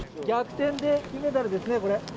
逆転で金メダルですね、これ。